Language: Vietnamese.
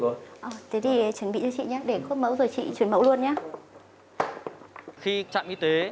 thế thì chuẩn bị cho chị nhé để khuất mẫu rồi chị chuyển mẫu luôn nhé